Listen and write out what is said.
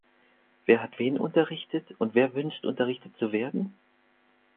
Wer hat wen unterrichtet und wer wünscht unterrichtet zu werden?